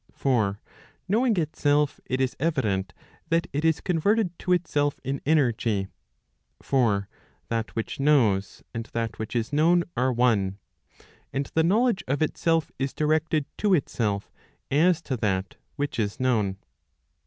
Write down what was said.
For knowing itself, it is evident that it is converted to itself in energy. For that which knows and that which is known are one. And the knowledge of itself is directed to itself as to that which is known.